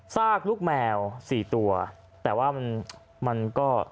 ทรากลูกแมว๔ตัวแต่ว่ามันก็